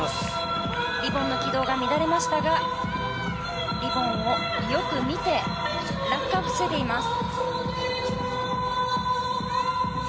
リボンの軌道が乱れましたがリボンをよく見て落下を防いでいます。